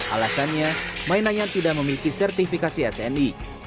alasannya mainannya tidak memiliki sertifikasi sni